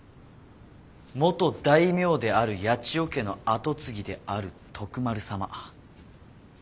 元大名である八千代家の跡継ぎである徳丸様ですよね。